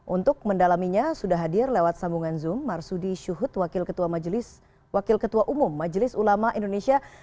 untuk mendalaminya sudah hadir lewat sambungan zoom marsudi syuhud wakil ketua umum majelis ulama indonesia